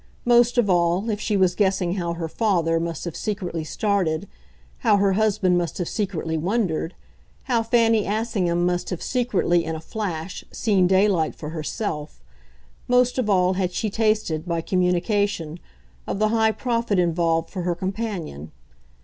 Most of all, if she was guessing how her father must have secretly started, how her husband must have secretly wondered, how Fanny Assingham must have secretly, in a flash, seen daylight for herself most of all had she tasted, by communication, of the high profit involved for her companion.